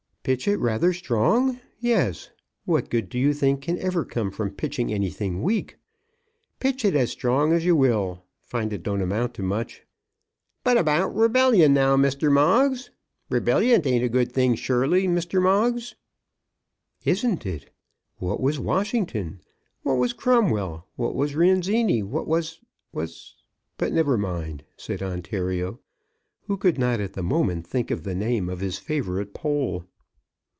"Pitch it rather strong; yes. What good do you think can ever come from pitching any thing weak? Pitch it as strong as you will, find it don't amount to much." "But about rebellion, now, Mr. Moggs? Rebellion ain't a good thing, surely, Mr. Moggs." "Isn't it? What was Washington, what was Cromwell, what was Rienzi, what was, was, ; but never mind," said Ontario, who could not at the moment think of the name of his favourite Pole.